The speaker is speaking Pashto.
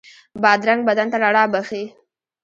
بادرنګ بدن ته رڼا بښي.